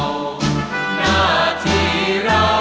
หน้าที่รอ